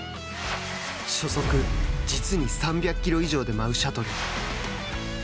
初速、実に３００キロ以上で舞うシャトル。